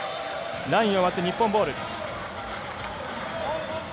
ラインを割って日本ボール。